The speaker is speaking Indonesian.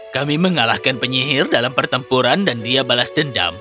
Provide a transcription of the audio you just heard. kami mengalahkan penyihir dalam pertempuran dan dia balas dendam